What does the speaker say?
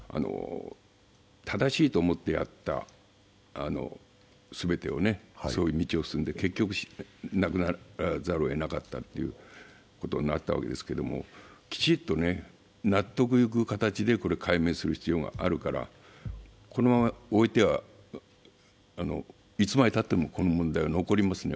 正しいと思ってやった全てを、そういう道を進んで結局、亡くならざるをえなかったんですけど、きちっと納得いく形で解明する必要があるから、このまま終えては、いつまでたってもこの問題は残りますね。